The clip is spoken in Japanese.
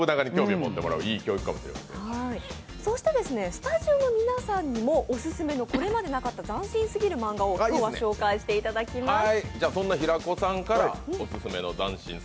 スタジオの皆さんにもオススメのこれまでなかった斬新すぎる漫画を今日は紹介していただきます。